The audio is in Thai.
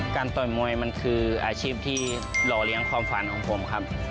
ต่อยมวยมันคืออาชีพที่หล่อเลี้ยงความฝันของผมครับ